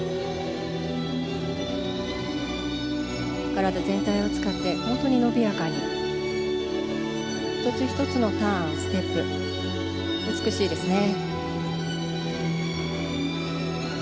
体全体を使って本当に伸びやかに１つ１つのターン、ステップ美しいですね。